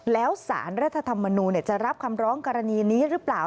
แล้วสารรัฐธรรมนูลจะรับคำร้องกรณีนี้หรือเปล่า